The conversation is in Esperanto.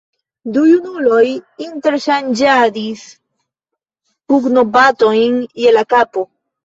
Du junuloj interŝanĝadis pugnobatojn je la kapo.